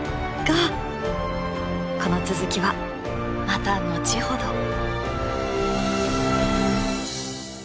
がこの続きはまた後ほど！